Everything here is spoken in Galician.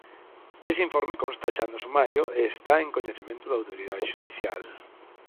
Ese informe consta xa no sumario e está en coñecemento da autoridade xudicial.